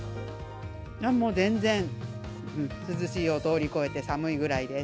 もう、全然、涼しいを通り越えて寒いぐらいです。